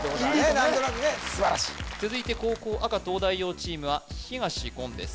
何となくね素晴らしい続いて後攻赤東大王チームは東言です